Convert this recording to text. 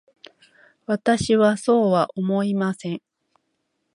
私はそうは思いません。